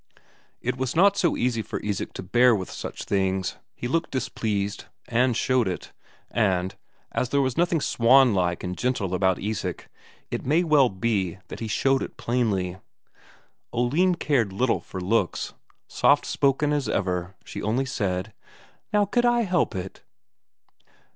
It was not so easy for Isak to bear with such things; he looked displeased, and showed it, and, as there was nothing swanlike and gentle about Isak, it may well be that he showed it plainly. Oline cared little for looks; soft spoken as ever, she only said: "Now, could I help it?"